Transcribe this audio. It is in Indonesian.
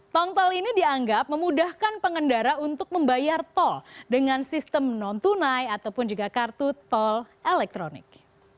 tong tol ini dianggap memudahkan pengendara untuk membayar tol dengan sistem non tunai ataupun juga kartu tol elektronik